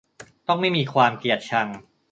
ต้องไม่มีความเกลียดชัง